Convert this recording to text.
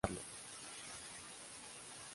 No logra alcanzarlo.